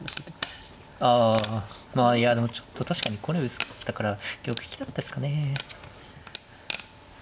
あまあいやでもちょっと確かにこれ薄かったから玉引きだったですかね。